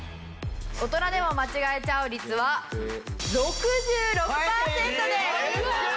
大人でも間違えちゃう率は６６パーセントです。